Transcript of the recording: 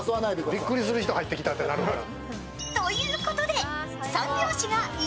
びっくりする人入ってきたってなるから。